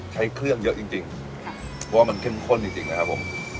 ใช้เครื่องเยอะจริงเพราะว่ามันเข้มข้นจริงนะครับผม